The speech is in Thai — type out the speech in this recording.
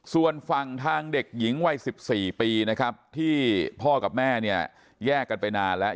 ส่วนฝั่งทางเด็กหญิงวัย๑๔ปีนะครับที่พ่อกับแม่เนี่ยแยกกันไปนานแล้ว